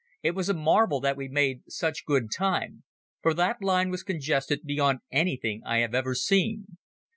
It was a marvel that we made such good time, for that line was congested beyond anything I have ever seen.